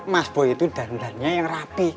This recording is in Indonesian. mas boy itu danudannya yang rapi